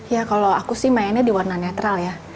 ya kalau aku sih mainnya di warna netral ya